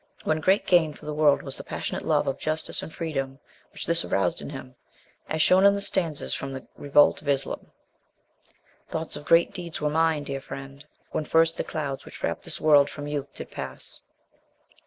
One great gain for the world was the passionate love of justice and freedom which this aroused in him, as shown in the stanzas fiom The Revolt of [slam Thoughts of great deeds were mine, dear friend, when first The clouds which wrap this world from youth did pass.